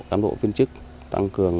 đám độ viên chức tăng cường